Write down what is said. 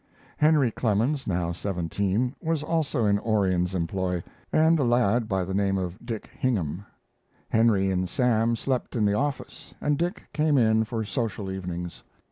Henry Clemens, now seventeen, was also in Orion's employ, and a lad by the name of Dick Hingham. Henry and Sam slept in the office, and Dick came in for social evenings.